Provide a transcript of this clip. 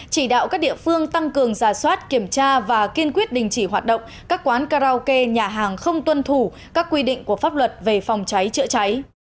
chỉ đạo các địa phương tăng cường giả soát kiểm tra và kiên quyết đình chỉ hoạt động các quán karaoke nhà hàng không tuân thủ các quy định của pháp luật về phòng cháy chữa cháy